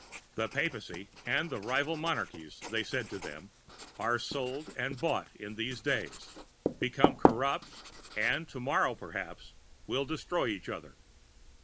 The Papacy and the rival monarchies, they said to them, are sold and bought in these days, become corrupt, and to morrow, perhaps, will destroy each other.